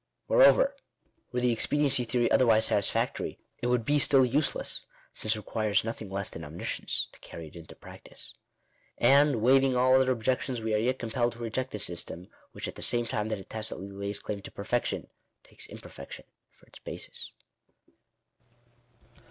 Moreover, were the expediency theory otherwise satisfactory, it would be still useless ; since it requires nothing less than omniscience to carry it into practice. And, waiving all other objections, we are yet compelled to J reject a system, which, at the "same time that it tacitly lays claim to perfection, takes imperfection for its basis.